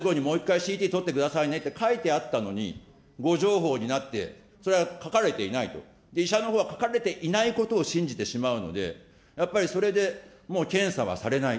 何回かＸ線撮って、３か月後にもう１回ＣＴ撮ってくださいねって書いてあったのに、誤情報になって、それは書かれていないと医者のほうは書かれていないことを信じてしまうので、やっぱりそれでもう検査はされない。